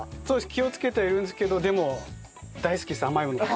気をつけてはいるんですけどでも大好きです甘いものは。